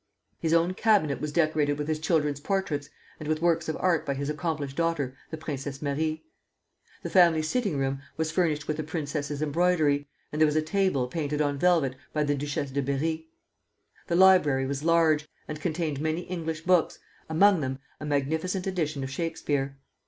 His own cabinet was decorated with his children's portraits and with works of art by his accomplished daughter, the Princess Marie. The family sitting room was furnished with the princesses' embroidery, and there was a table painted on velvet by the Duchesse de Berri. The library was large, and contained many English books, among them a magnificent edition of Shakspeare.